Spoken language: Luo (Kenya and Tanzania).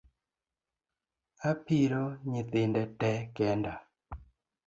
Apiro nyithinde tee kenda